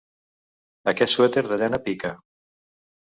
Aquest suèter de llana pica.